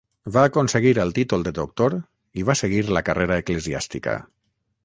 Va aconseguir el títol de doctor i va seguir la carrera eclesiàstica.